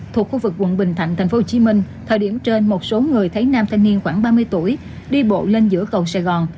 thuộc khu vực quận bình thạnh tp hcm thời điểm trên một số người thấy nam thanh niên khoảng ba mươi tuổi đi bộ lên giữa cầu sài gòn